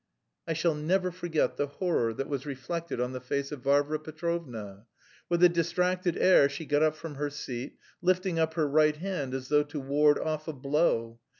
I shall never forget the horror that was reflected on the face of Varvara Petrovna. With a distracted air she got up from her seat, lifting up her right hand as though to ward off a blow.